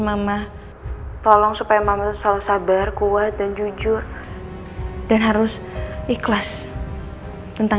cepet obwohl maok tsai dateng pacung